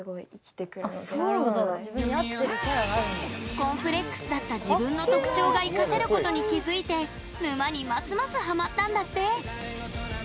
コンプレックスだった、自分の特徴が生かせることに気付いて沼にますますハマったんだって。